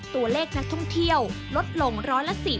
ตัวเลขนักท่องเที่ยวลดลงร้อยละ๑๐